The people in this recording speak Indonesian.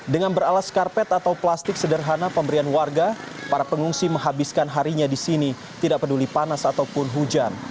dengan beralas karpet atau plastik sederhana pemberian warga para pengungsi menghabiskan harinya di sini tidak peduli panas ataupun hujan